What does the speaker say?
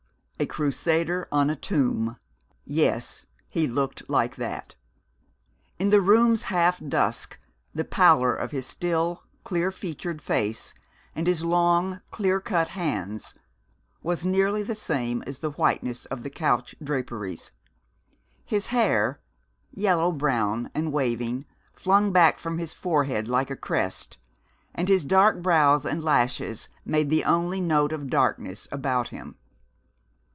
A Crusader on a tomb. Yes, he looked like that. In the room's half dusk the pallor of his still, clear featured face and his long, clear cut hands was nearly the same as the whiteness of the couch draperies. His hair, yellow brown and waving, flung back from his forehead like a crest, and his dark brows and lashes made the only note of darkness about him.